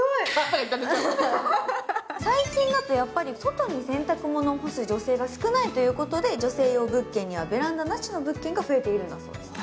最近だと外に洗濯物を干す女性が少ないということで、女性用物件にはベランダなしの物件が増えているんだそうです。